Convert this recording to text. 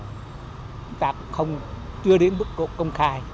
chúng ta không chưa đến mức độ công khai